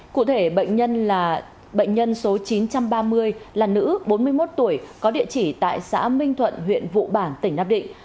cụ thể bệnh nhân số chín trăm ba mươi là nữ bốn mươi một tuổi có địa chỉ tại xã minh thuận huyện vụ bảng tỉnh nắp định